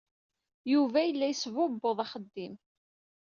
Yuba yella yesbubbuḍ axeddim.